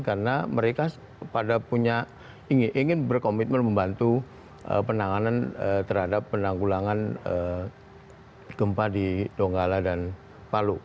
karena mereka ingin berkomitmen membantu penanganan terhadap penanggulangan kempah di donggala dan palu